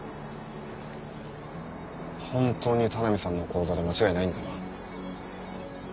本当に田波さんの口座で間違いないんだな？